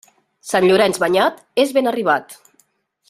Sant Llorenç banyat és ben arribat.